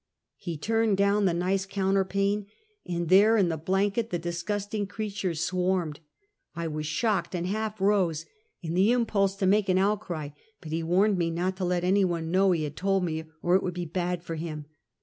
He turned down the nice counterpane, and there, in the blanket, the disgusting creatures swarmed. I was shocked, and half rose, in the impulse to make an outcry, but he warned me not to let any one know he had told me, or it would be bad for him.